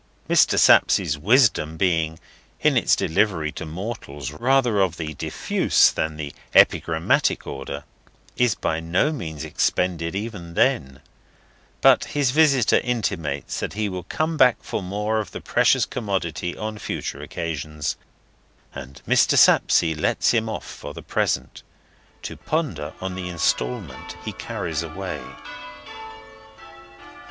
Mr. Sapsea's wisdom being, in its delivery to mortals, rather of the diffuse than the epigrammatic order, is by no means expended even then; but his visitor intimates that he will come back for more of the precious commodity on future occasions, and Mr. Sapsea lets him off for the present, to ponder on the instalment he carries away.